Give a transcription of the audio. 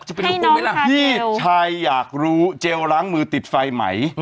ให้น้องค่าเจลพี่ชัยอยากรู้เจลล้างมือติดไฟไหม